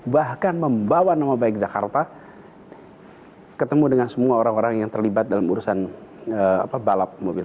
bahkan membawa nama baik jakarta ketemu dengan semua orang orang yang terlibat dalam urusan balap mobil